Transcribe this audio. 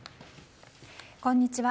こんにちは。